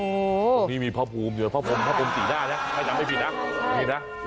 ตรงนี้มีพระภูมิเดี๋ยวพระภูมิติหน้าน่ะให้ทำให้ผิดนะ